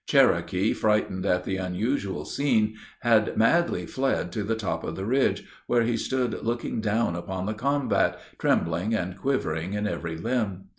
Cherokee, frightened at the unusual scene, had madly fled to the top of the ridge, where he stood looking down upon the combat, trembling and quivering in every limb.